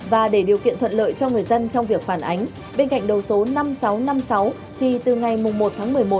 và để điều kiện thuận lợi cho người dân trong việc phản ánh bên cạnh đầu số năm nghìn sáu trăm năm mươi sáu thì từ ngày một tháng một mươi một